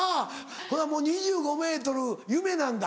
ほなもう２５ｍ夢なんだ？